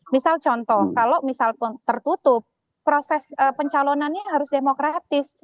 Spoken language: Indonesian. misal contoh kalau misal tertutup proses pencalonannya harus demokratis